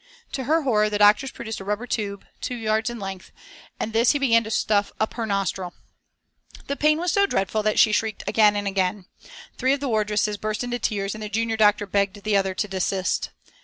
To her horror the doctors produced a rubber tube, two yards in length, and this he began to stuff up her nostril. The pain was so dreadful that she shrieked again and again. Three of the wardresses burst into tears and the junior doctor begged the other to desist.